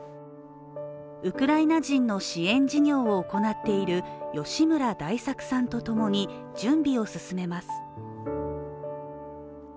ウクライナ人の支援事業を行っている吉村大作さんとともに準備を進めます。